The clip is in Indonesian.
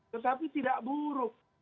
tetapi tidak buruk